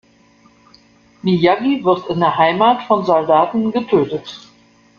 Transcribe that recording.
Miyagi wird in der Heimat von Soldaten getötet.